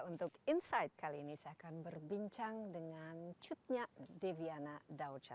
untuk insight kali ini saya akan berbincang dengan cutnya deviana daudha